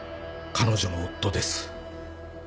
彼女の夫です。